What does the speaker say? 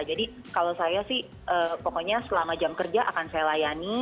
jadi kalau saya sih pokoknya selama jam kerja akan saya layani